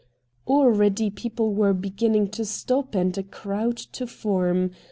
Already people were beginning to stop and a crowd to form.